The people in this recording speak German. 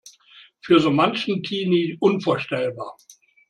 Für so manchen Teenie unvorstellbar.